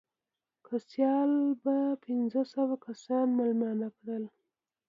که سیال به پنځه سوه کسان مېلمانه کړل.